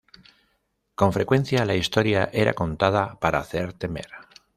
Con frecuencia la historia era contada para hacer temer.